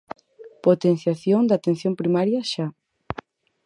Potenciación da Atención Primaria, xa.